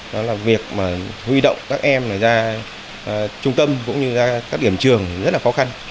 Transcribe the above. đó là việc mà huy động các em ra trung tâm cũng như ra các điểm trường rất là khó khăn